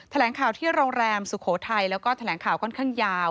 แถลงข่าวที่โรงแรมสุโขทัยแล้วก็แถลงข่าวค่อนข้างยาว